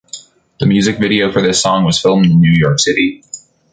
The music video for this song was filmed in New York City.